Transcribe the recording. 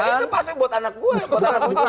itu pasti buat anak gue